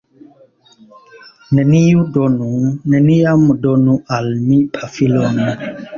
Neniu donu... neniam donu al mi pafilon